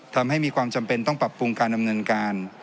ทำให้มีความจำเป็นต้องปรับปรุงการดำเนินการ